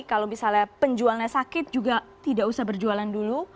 kalau misalnya penjualnya sakit juga tidak usah berjualan dulu